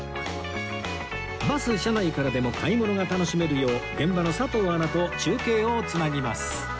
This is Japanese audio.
バス車内からでも買い物が楽しめるよう現場の佐藤アナと中継を繋ぎます